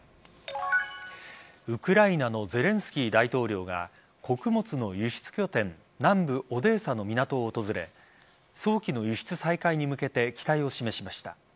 ウクライナのゼレンスキー大統領が穀物の輸出拠点南部・オデーサの港を訪れ早期の輸出再開に向けて期待を示しました。